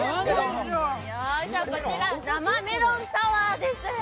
こちら、生メロンサワーです。